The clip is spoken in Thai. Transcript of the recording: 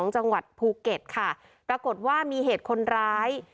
จังหวัดภูเก็ตค่ะปรากฏว่ามีเหตุคนร้าย